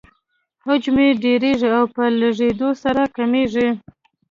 حجم یې ډیریږي او په لږیدو سره کمیږي.